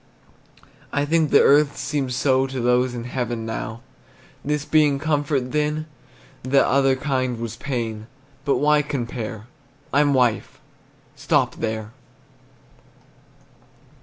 I think that earth seems so To those in heaven now. This being comfort, then That other kind was pain; But why compare? I'm wife! stop there!